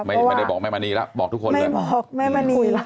ไม่ได้บอกแม่มณีละบอกทุกคนเลย